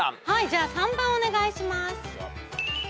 じゃあ３番をお願いします。